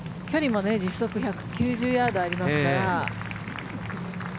距離も実測１９０ヤードありますから。